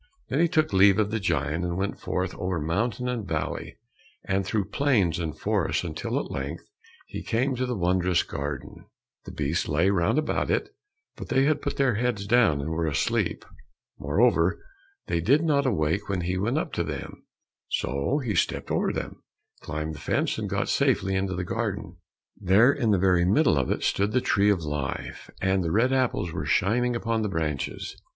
Then he took leave of the giant, and went forth over mountain and valley, and through plains and forests, until at length he came to the wondrous garden. The beasts lay round about it, but they had put their heads down and were asleep. Moreover, they did not awake when he went up to them, so he stepped over them, climbed the fence, and got safely into the garden. There, in the very middle of it, stood the tree of life, and the red apples were shining upon the branches.